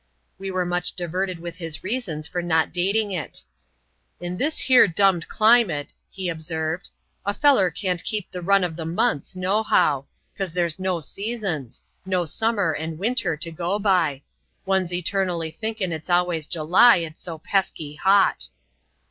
We were much diverted with his reasons for not dating it. "In this here dumned climate," he observed, "a feller can't keep the rim of the months, no how ; cause there's no seasons; no summer and winter to go by. One's etamally thinkin' it's always July, it's so pesky hot."